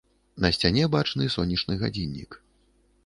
На сцяне бачны сонечны гадзіннік.